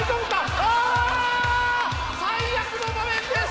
最悪の場面です！